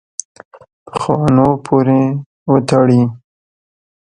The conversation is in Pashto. پخوانو پورې وتړي.